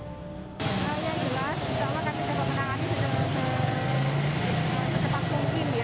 yang jelas insya allah kami bisa memenangkannya secepat mungkin ya